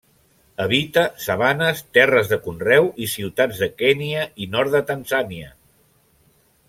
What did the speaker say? Habita sabanes, terres de conreu i ciutats de Kenya i nord de Tanzània.